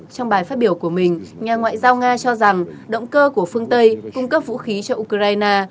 trong bài phát biểu của mình nhà ngoại giao nga cho rằng động cơ của phương tây cung cấp vũ khí cho ukraine